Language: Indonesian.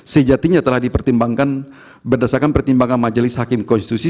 sejatinya telah dipertimbangkan berdasarkan pertimbangan majelis hakim konstitusi